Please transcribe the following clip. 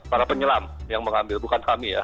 para penyelam yang mengambil bukan kami ya